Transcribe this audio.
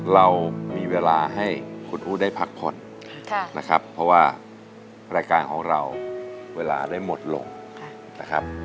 เรามีเวลาให้คุณอู๋ได้พักผ่อนนะครับเพราะว่ารายการของเราเวลาได้หมดลงนะครับ